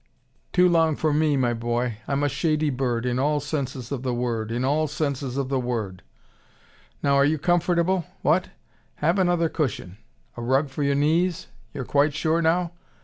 "Too long for me, my boy. I'm a shady bird, in all senses of the word, in all senses of the word. Now are you comfortable? What? Have another cushion? A rug for your knees? You're quite sure now?